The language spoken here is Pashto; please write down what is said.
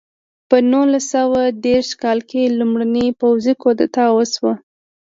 په نولس سوه دېرش کال کې لومړنۍ پوځي کودتا وشوه.